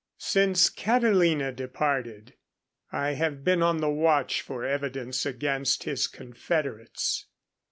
_Since Catilina departed, I have been on the watch for evidence against his confederates.